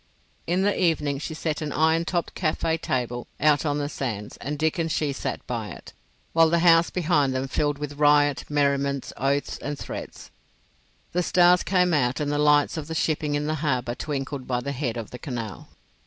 In the evening she set an iron topped café table out on the sands, and Dick and she sat by it, while the house behind them filled with riot, merriment, oaths, and threats. The stars came out and the lights of the shipping in the harbour twinkled by the head of the Canal.